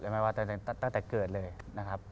ไม่ว่าตั้งแต่เกิดเลยนะครับ